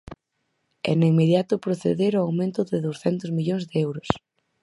E no inmediato proceder ao aumento de douscentos millóns de euros.